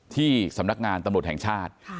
ที่สำนักงานตำรวจแห่งชาติ